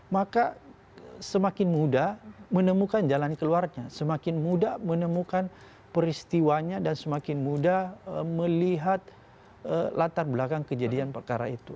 maka semakin mudah menemukan jalan keluarnya semakin mudah menemukan peristiwanya dan semakin mudah melihat latar belakang kejadian perkara itu